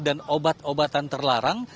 dan obat obatan terlarang